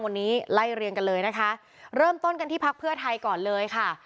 วันนี้ไล่เรียงกันเลยนะคะเริ่มต้นกันที่พักเพื่อไทยก่อนเลยค่ะ